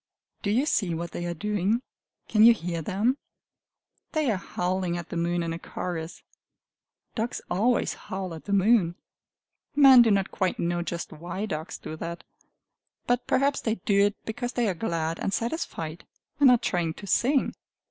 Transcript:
Do you see what they are doing? Can you hear them? They are howling at the moon in a chorus. Dogs always howl at the moon. Men do not quite know just why dogs do that. But perhaps they do it because they are glad and satisfied, and are trying to _sing!